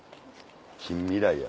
近未来や。